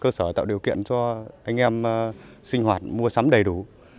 cơ sở tạo ra là một điều kiện cho anh em sinh hoạt mua sắm đầy đủ